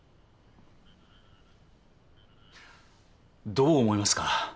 どう思いますか？